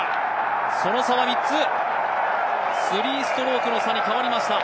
その差は３つ、３ストロークの差に変わりました。